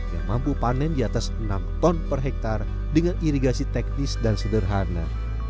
yang mampu panen di atas enam ton per hektare dengan irigasi teknis dan sederhana